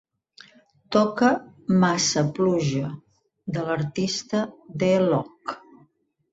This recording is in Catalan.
Toca "Massa Pluja" de l'artista D-Loc.